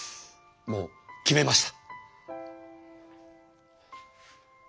もう決めました。